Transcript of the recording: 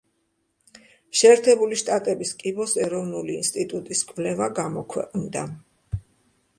შეერთებული შტატების კიბოს ეროვნული ინსტიტუტის კვლევა გამოქვეყნდა.